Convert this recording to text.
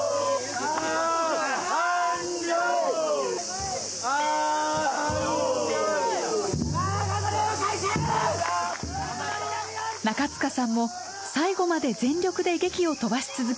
中塚さんも最後まで全力でげきを飛ばし続けます。